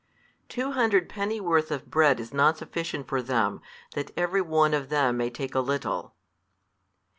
Two hundred pennyworth of bread is not sufficient for them, that every one of them may take a little.